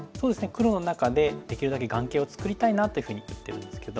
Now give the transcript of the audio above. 黒の中でできるだけ眼形を作りたいなっていうふうに打ってるんですけども。